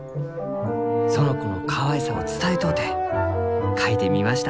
「園子のかわいさを伝えとうて描いてみました」。